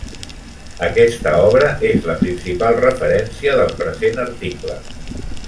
Aquesta obra és la principal referència del present article.